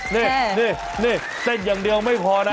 นี่นี่เต้นอย่างเดียวไม่พอนะ